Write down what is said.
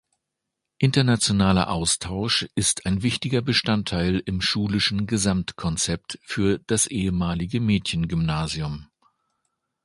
Internationaler Austausch ist ein wichtiger Bestandteil im schulischen Gesamtkonzept für das ehemalige Mädchen-Gymnasium.